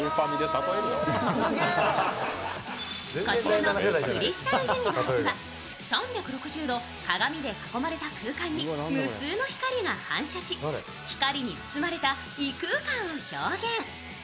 こちらのクリスタルユニバースは３６０度鏡で囲まれた空間に無数の光が反射し、光に包まれた異空間を表現。